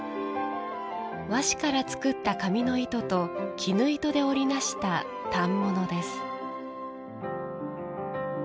和紙から作った紙の糸と絹糸で織り成した反物です。